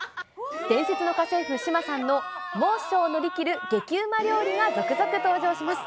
伝説の家政婦、志麻さんの猛暑を乗り切る激ウマ料理が続々登場します。